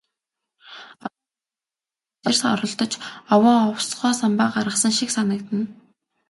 Одоо бодоход бас ч хашир оролдож, овоо овсгоо самбаа гаргасан шиг санагдана.